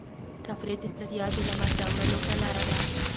تفریح د ستړیا د له منځه وړلو ښه لاره ده.